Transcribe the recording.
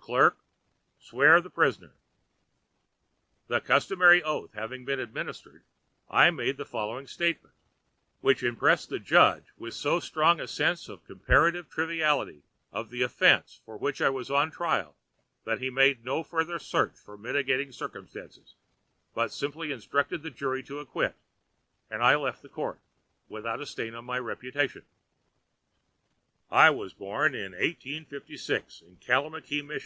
Clerk, swear the prisoner." The customary oath having been administered, I made the following statement, which impressed the judge with so strong a sense of the comparative triviality of the offense for which I was on trial that he made no further search for mitigating circumstances, but simply instructed the jury to acquit, and I left the court, without a stain upon my reputation: "I was born in 1856 in Kalamakee, Mich.